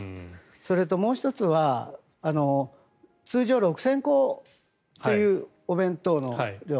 それともう１つは通常６０００個というお弁当の量